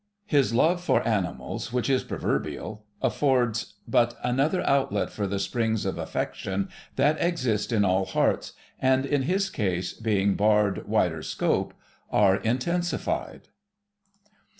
His love for animals, which is proverbial, affords but another outlet for the springs of affection that exist in all hearts, and, in his case, being barred wider scope, are intensified.